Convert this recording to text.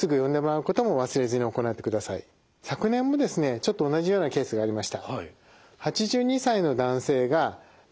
昨年もですねちょっと同じようなケースがありました。